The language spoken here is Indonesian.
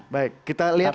baik kita lihat